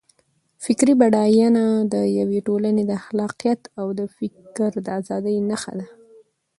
فرهنګي بډاینه د یوې ټولنې د خلاقیت او د فکر د ازادۍ نښه ده.